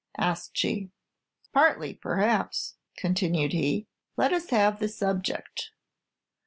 asked she. "Partly, perhaps," continued he. "Let us have the subject."